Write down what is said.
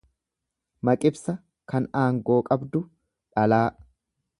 Maqibsa kan aangoo qabdu. dhalaa